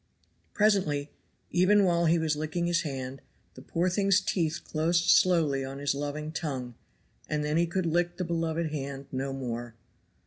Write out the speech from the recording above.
Presently, even while he was licking his hand, the poor thing's teeth closed slowly on his loving tongue, and then he could lick the beloved hand no more.